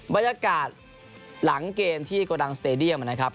บรรยากาศหลังเกมที่โกดังสเตดียมนะครับ